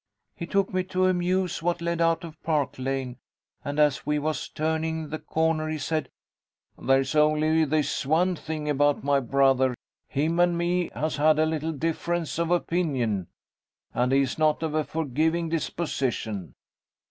He took me to a mews what led out of Park Lane, and, as we was turning the corner, he said, 'There's only this one thing about my brother, him and me has had a little difference of opinion, and he is not of a forgiving disposition.'